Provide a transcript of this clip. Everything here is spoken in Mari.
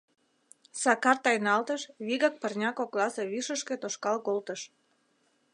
Сакар тайналтыш, вигак пырня кокласе вишышке тошкал колтыш.